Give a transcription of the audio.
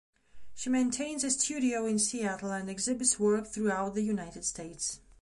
She maintains a studio in Seattle and exhibits work throughout the United States.